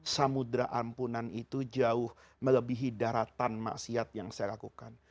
samudera ampunan itu jauh melebihi daratan maksiat yang saya lakukan